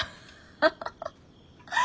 ハハハ。